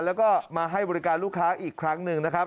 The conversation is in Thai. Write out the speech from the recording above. แล้วก็มาให้บริการลูกค้าอีกครั้งหนึ่งนะครับ